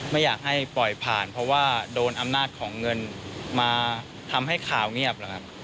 ไม่อยากให้ปล่อยผ่านเพราะว่าโดนอำนาจของเงินมาทำให้ข่าวเงียบหรอกครับ